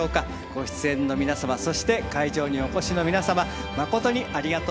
ご出演の皆様そして会場にお越しの皆様まことにありがとうございました。